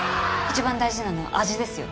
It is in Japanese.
一番大事なのは味ですよ。